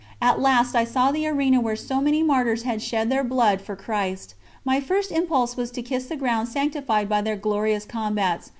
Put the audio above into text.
At last I saw the arena where so many Martyrs had shed their blood for Christ. My first impulse was to kiss the ground sanctified by their glorious combats.